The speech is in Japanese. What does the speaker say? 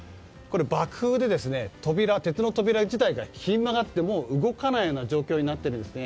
爆風で鉄の扉１枚がひん曲がって動かないような状況になっているんですね。